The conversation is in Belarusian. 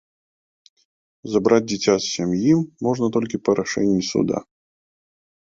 Забраць дзіця з сям'і можна толькі па рашэнні суда.